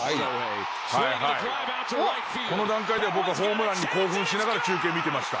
この段階では僕はホームランに興奮しながら中継見てました。